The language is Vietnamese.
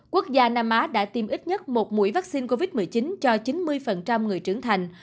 quốc gia nam á đã tiêm ít nhất một mũi vaccine covid một mươi chín cho chín mươi người trưởng thành